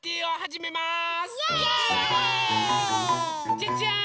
じゃじゃん！